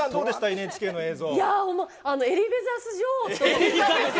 ＮＨＫの映像。